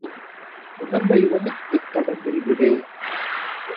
உடம்பை ஒடித்துக் கடம்பில் விடு.